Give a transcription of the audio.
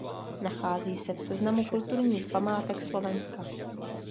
Nachází se v seznamu kulturních památek Slovenska.